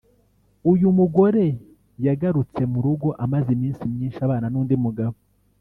uyu mugore yagarutse mu rugo amaze iminsi myinshi abana n’undi mugabo